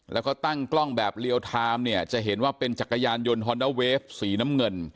แล้วก็ตั้งกล้องแบบเรียลไทม์เนี่ยจะเห็นว่าเป็นจักรยานยนต์ฮอนด้าเวฟสีน้ำเงิน